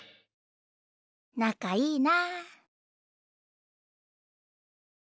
なかいいな。